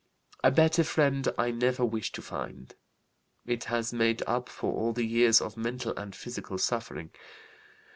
A better friend I never wish to find. It has made up for all the years of mental and physical suffering.